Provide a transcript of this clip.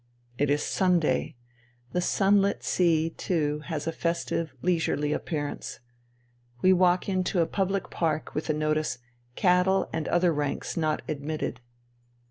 It is Sunday. The sunlit sea, too, has a festive, leisurely appearance. We walk into a public park with the notice " Cattle and Other Ranks not admitted."